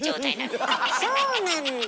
そうなんだ。